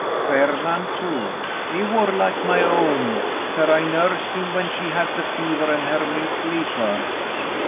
Ferd'nan' too, he war like my own, fer I nursed him when she had the fever an' her milk lef ' her.